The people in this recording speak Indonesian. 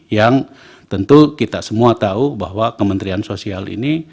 yang tentu kita semua tahu bahwa kementerian sosial ini